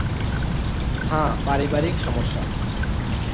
হ্যাঁ, পারিবারিক সমস্যা।